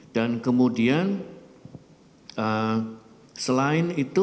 dan kemudian selain itu